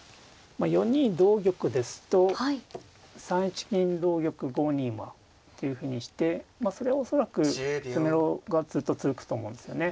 ４二同玉ですと３一銀同玉５二馬っていうふうにしてそれ恐らく詰めろがずっと続くと思うんですよね。